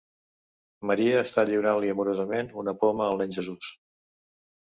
Maria està lliurant-li amorosament una poma al Nen Jesús.